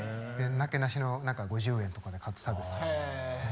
なけなしの５０円とかで買って食べてた。